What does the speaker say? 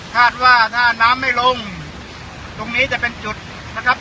คาดว่าถ้าน้ำไม่ลงตรงนี้จะเป็นจุดนะครับ